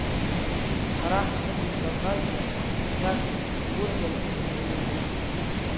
Ҳара ҳазныҵыз Кавказ ӡыш, шәаҳәабжьуп, гурӷьабжьуп ианыҩуа.